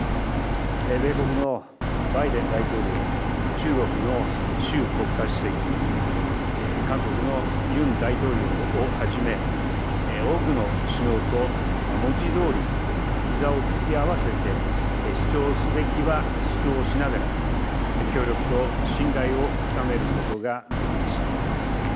米国のバイデン大統領、中国の習国家主席、韓国のユン大統領をはじめ、多くの首脳と文字どおり、ひざを突き合わせて、主張すべきは主張しながら、協力と信頼を深めることができました。